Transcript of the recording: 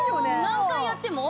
何回やっても。